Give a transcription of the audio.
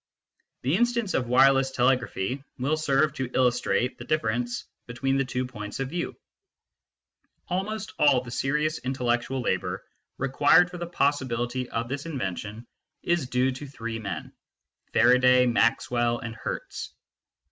The instance of wireless telegraphy will serve to illus trate the difference between the two points of view. Almost all th^ serious intellectual labour required for the 33 Jl MYSTICISM AND LOGIC possibility of this invention is due to three men Faraday, Maxwell, and Hertz.